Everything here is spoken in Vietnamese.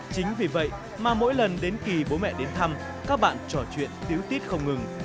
chính vì vậy mà mỗi lần đến kỳ bố mẹ đến thăm các bạn trò chuyện tứ tiết không ngừng